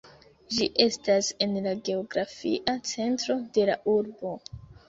Ĝi estas en la geografia centro de la urbo.